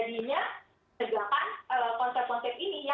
lalu dibuat sandar sandarnya